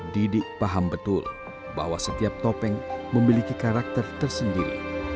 didik paham betul bahwa setiap topeng memiliki karakter tersendiri